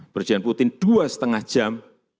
berjalan putin selama dua setengah jam